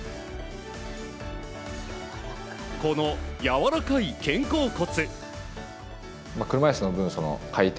このやわらかい肩甲骨。